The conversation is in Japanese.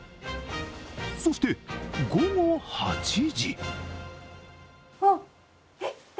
そして、午後８時。